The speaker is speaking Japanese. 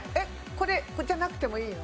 これじゃなくてもいいの？